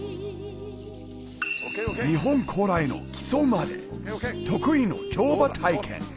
日本古来の木曽馬で得意の乗馬体験